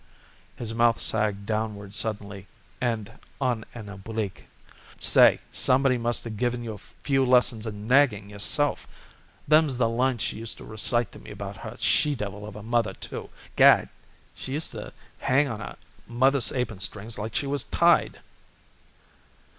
His mouth sagged downward suddenly and on an oblique. "Say, somebody must have given you a few lessons in nagging, yourself. Them's the lines she used to recite to me about her she devil of a mother, too. Gad! she used to hang on her mother's apron strings like she was tied."